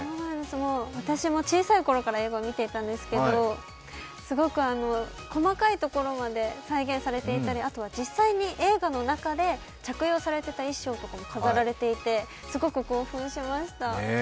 私も小さいころから映画を見ていたんですけども、すごく細かいところまで再現されていたりあと、実際に映画の中で着用されていた衣装も飾られていてすごく興奮しました。